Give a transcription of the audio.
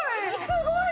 すごい！